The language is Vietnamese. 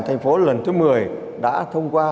thành phố lần thứ một mươi đã thông qua